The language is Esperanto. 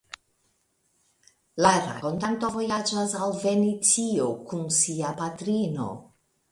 La rakontanto vojaĝas al Venecio kun sia patrino.